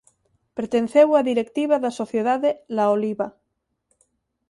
Pertenceu á directiva da Sociedade La Oliva.